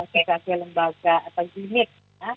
sebagai lembaga atau jimit